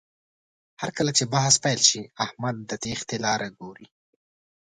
هرکله بحث پیل شي، احمد د تېښتې لاره ګوري.